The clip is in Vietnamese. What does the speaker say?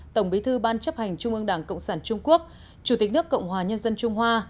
tổng bí thư ban chấp hành trung ương đảng cộng sản trung quốc chủ tịch nước cộng hòa nhân dân trung hoa